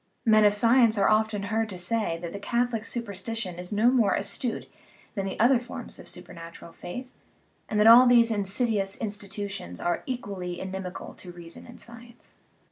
Men of sci ence are often heard to say that the Catholic supersti tion is no more astute than the other forms of supernat ural faith, and that all these insiduous institutions are equally inimical to reason and science.